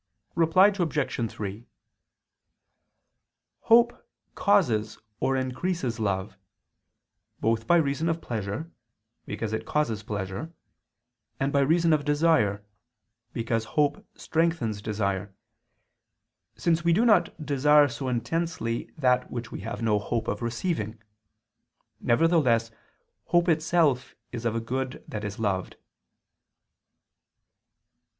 Reply Obj. 3: Hope causes or increases love; both by reason of pleasure, because it causes pleasure; and by reason of desire, because hope strengthens desire, since we do not desire so intensely that which we have no hope of receiving. Nevertheless hope itself is of a good that is loved.